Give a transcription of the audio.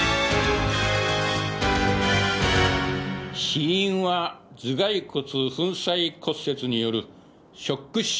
死因は頭蓋骨粉砕骨折によるショック死。